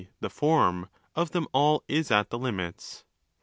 the 'form '—of them all is at the limits.